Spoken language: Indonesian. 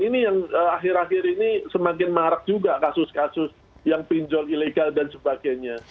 ini yang akhir akhir ini semakin marak juga kasus kasus yang pinjol ilegal dan sebagainya